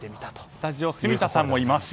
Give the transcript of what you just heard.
スタジオに住田さんもいます。